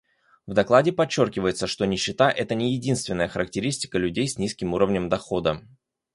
В докладе подчеркивается, что нищета — это не единственная характеристика людей с низким уровнем дохода.